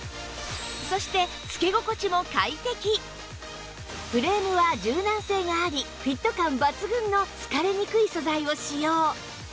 そしてフレームは柔軟性がありフィット感抜群の疲れにくい素材を使用